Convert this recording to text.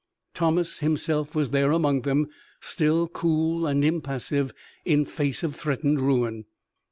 Thomas himself was there among them, still cool and impassive in face of threatened ruin.